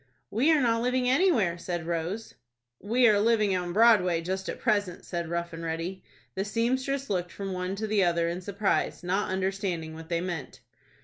"We are not living anywhere," said Rose. "We are living on Broadway just at present," said Rough and Ready. The seamstress looked from one to the other in surprise, not understanding what they meant.